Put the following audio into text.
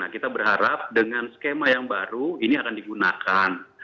kita berharap dengan skema yang baru ini akan digunakan